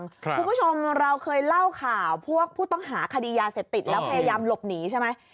คุณผู้ชมเราเคยเล่าข่าวพวกผู้ต้องหาคดียาเสพติดแล้วพยายามหลบหนีใช่ไหม